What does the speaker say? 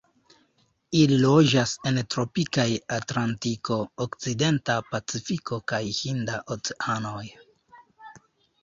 Ili loĝas en tropikaj Atlantiko, okcidenta Pacifiko kaj Hinda Oceanoj.